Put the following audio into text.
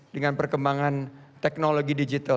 dengan perkembangan teknologi digital